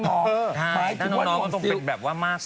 น้องน้องต้องเป็นแบบว่ามากกว่า